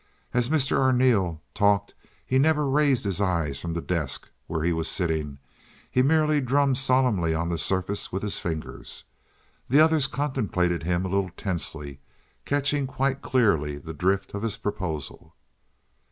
As Mr. Arneel talked he never raised his eyes from the desk where he was sitting. He merely drummed solemnly on the surface with his fingers. The others contemplated him a little tensely, catching quite clearly the drift of his proposal.